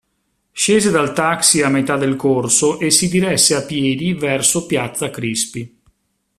Scese dal taxi a metà del corso e si diresse a piedi verso piazza Crispi.